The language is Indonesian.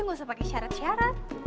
gak usah pake syarat syarat